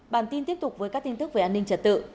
bản tin tiếp tục với các tin tức về an ninh trật tự